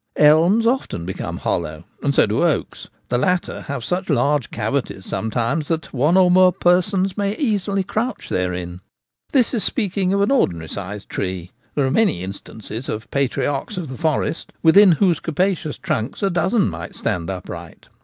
Elms often become hollow,, and so do oaks ; the latter have such large cavities sometimes that one or more persons may easily crouch therein. This is speaking of an ordinary sized tree ; there are many instances of patriarchs of the forest within whose capacious trunks a dozen might stand upright.